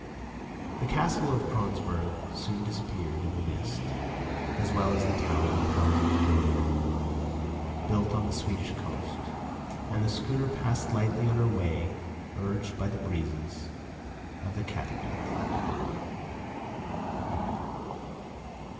The castle of Kronsberg soon disappeared in the mist, as well as the tower of Helsingborg, built on the Swedish coast, and the schooner passed lightly on her way urged by the breezes of the Cattegat.